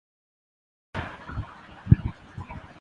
The specific epithet ("tarik") refers to the Gibraltar Range National Park.